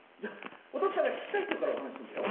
お父っつぁんが聞きたいっていうからお話しするんだよねっ。